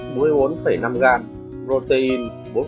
muối bốn năm g protein